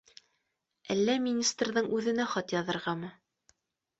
Әллә министрҙың үҙенә хат яҙырғамы?